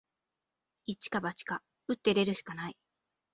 一か八か、打って出るしかない